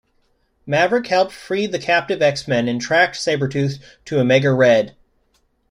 Maverick helped free the captive X-Men and tracked Sabretooth to Omega Red.